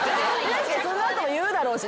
その後も言うだろうし。